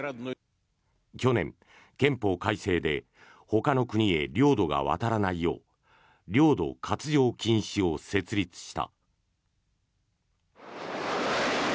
去年、憲法改正でほかの国へ領土が渡らないよう領土割譲禁止を設立した。